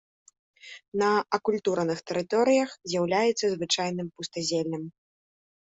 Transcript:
На акультураных тэрыторыях з'яўляецца звычайным пустазеллем.